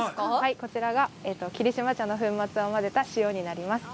こちらが霧島茶の粉末を混ぜた塩になります。